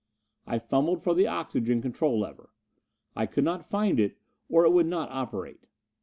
I fumbled for the oxygen control lever. I could not find it; or it would not operate.